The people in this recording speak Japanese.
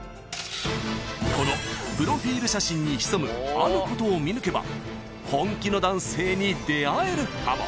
［このプロフィール写真に潜むあることを見抜けば本気の男性に出会えるかも］